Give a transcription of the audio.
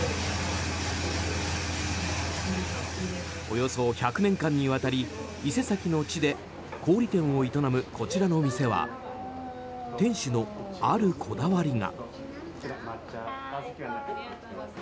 およそ１００年間にわたり伊勢崎の地で氷店を営むこちらの店は店主のあるこだわりが。